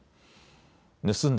盗んだ